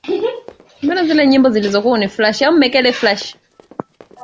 hilda brian bisho ni mwanaharakati na hapa anatoa mtazamo wake